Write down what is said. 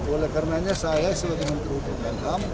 oleh karena saya sebagai menteruh pembantam